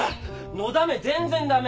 のだめ全然ダメ！